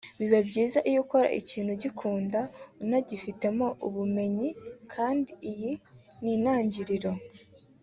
biba byiza iyo ukora ikintu ugikunda unagifitemo ubumenyi kandi iyi ni intangiriro